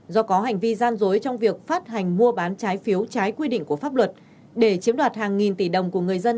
do có hành vi gian dối trong việc phát hành mua bán trái phiếu trái quy định của pháp luật để chiếm đoạt hàng nghìn tỷ đồng của người dân